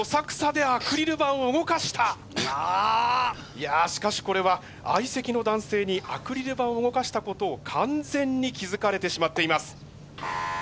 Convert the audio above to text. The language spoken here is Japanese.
いやしかしこれは相席の男性にアクリル板を動かしたことを完全に気付かれてしまっています。